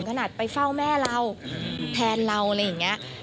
ขนาดไปเฝ้าแม่เราแทนเราอะไรอย่างนี้